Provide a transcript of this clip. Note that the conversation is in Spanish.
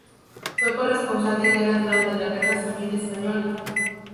Fue corresponsal de guerra durante la Guerra Civil Española.